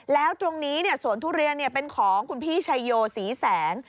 แล้วตรงนี้สวนทุเรียนเป็นของคุณพี่ชายโยศรีแสง